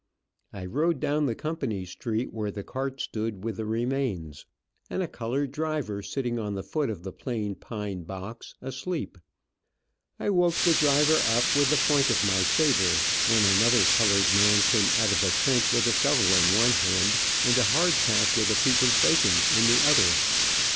I rode down the company street where the cart stood with the remains, and a colored driver sitting on the foot of the plain pine box, asleep. I woke the driver up with the point of my saber, when another colored man came out of a tent with a shovel in one hand, and a hardtack with a piece of bacon in the other.